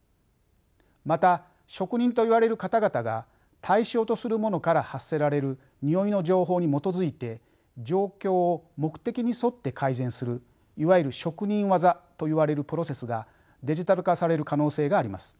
また職人といわれる方々が対象とするものから発せられるにおいの情報に基づいて状況を目的に沿って改善するいわゆる職人技といわれるプロセスがデジタル化される可能性があります。